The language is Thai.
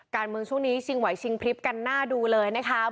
การเมืองช่วงนี้ชิงไหวชิงพริบกันหน้าดูเลยนะคะ